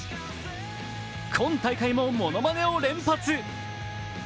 今大会もものまねを連発。